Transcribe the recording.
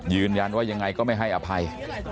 ยืนยันว่ายังไงก็ไม่ให้อภัย